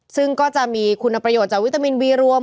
ซึ่งก็จะมีคุณประโยชน์จากวิตามินวีรวม